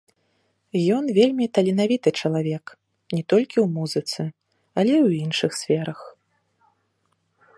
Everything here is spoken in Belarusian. Ян вельмі таленавіты чалавек не толькі ў музыцы, але і ў іншых сферах.